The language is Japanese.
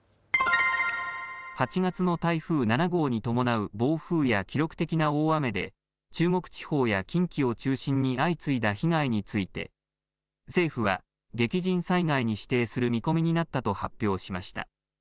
８月の台風７号に伴う暴風や記録的な大雨で、中国地方や近畿を中心に相次いだ被害について、政府は激甚災害に指定する見込みになったと発表しました。